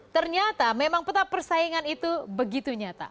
ternyata memang peta persaingan itu begitu nyata